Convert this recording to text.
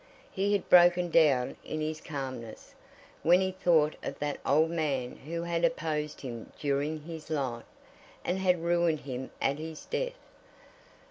He had broken down in his calmness, when he thought of that old man who had opposed him during his life, and had ruined him at his death.